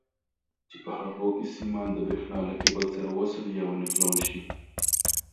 چې په هغو کې سیمان د برېښنا له کیبل سره وصل یا ونښلول شي.